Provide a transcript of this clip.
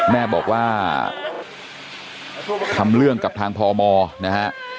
แม่บอกว่าทำเรื่องกับทางพมนะฮะ